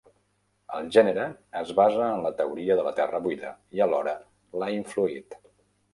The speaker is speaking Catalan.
El gènere es basa en la teoria de la Terra buida i, alhora, l'ha influït.